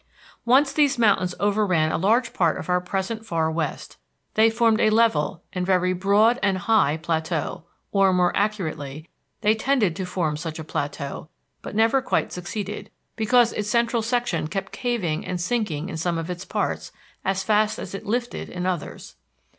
Once these mountains overran a large part of our present far west. They formed a level and very broad and high plateau; or, more accurately, they tended to form such a plateau, but never quite succeeded, because its central section kept caving and sinking in some of its parts as fast as it lifted in others.